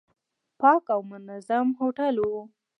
پاک او منظم هوټل و.